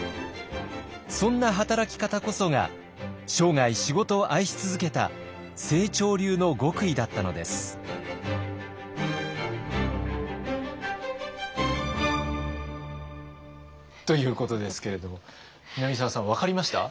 そんな働き方こそが生涯仕事を愛し続けた清張流の極意だったのです。ということですけれども南沢さん分かりました？